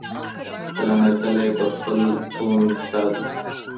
کله ناکله یې پر خپل قوم انتقاد وکړ